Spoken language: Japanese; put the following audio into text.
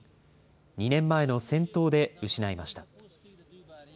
２年前の戦闘で失いました。